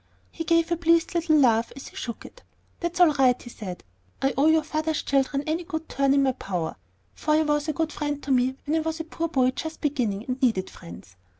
He gave a pleased little laugh as he shook it. "That's all right," he said. "I owe your father's children any good turn in my power, for he was a good friend to me when I was a poor boy just beginning, and needed friends.